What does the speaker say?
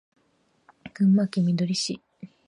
群馬県みどり市